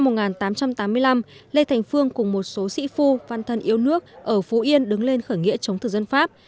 năm một nghìn tám trăm tám mươi năm lê thành phương cùng một số sĩ phu văn thân yêu nước ở phú yên đứng lên khởi nghĩa chống thực dân pháp